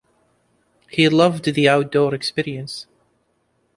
He loved the outdoor experience.